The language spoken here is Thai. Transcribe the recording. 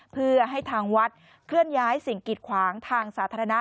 เพื่อให้ทางวัดเคลื่อนย้ายสิ่งกิดขวางทางสาธารณะ